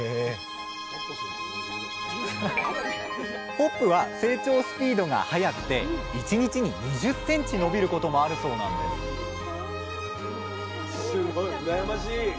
ホップは成長スピードが速くて１日に２０ｃｍ伸びることもあるそうなんですすごい羨ましい。